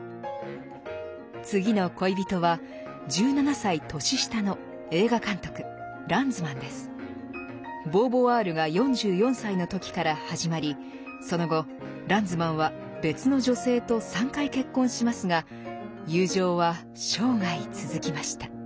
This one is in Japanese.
次の恋人は１７歳年下のボーヴォワールが４４歳の時から始まりその後ランズマンは別の女性と３回結婚しますが友情は生涯続きました。